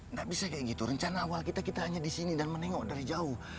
nggak bisa kayak gitu rencana awal kita hanya disini dan menengok dari jauh